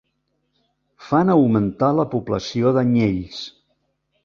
Fan augmentar la població d'anyells.